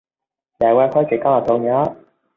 Để quá khứ chỉ còn là thương nhớ